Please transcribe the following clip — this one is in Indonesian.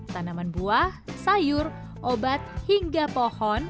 tanaman buah sayur obat hingga pohon